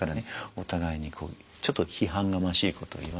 お互いにちょっと批判がましいこと言わない。